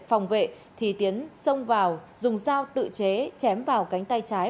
phòng vệ thì tiến xông vào dùng dao tự chế chém vào cánh tay trái